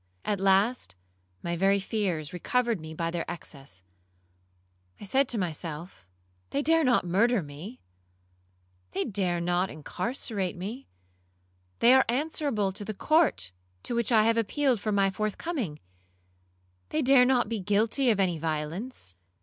At last my very fears recovered me by their excess. I said to myself, 'They dare not murder me,—they dare not incarcerate me;—they are answerable to the court to which I have appealed for my forthcoming,—they dare not be guilty of any violence.'